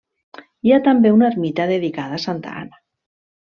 Hi ha també una ermita dedicada a Santa Anna.